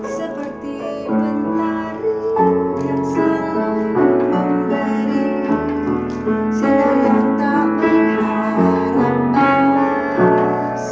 seperti bentari yang selalu memberi sedang yang tak berhubungan lepas